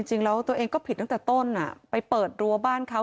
จริงแล้วตัวเองก็ผิดตั้งแต่ต้นไปเปิดรั้วบ้านเขา